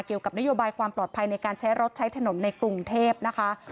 เกี่ยวกับนโยบายความปลอดภัยในการใช้รถใช้ถนนในกรุงเทพนะคะ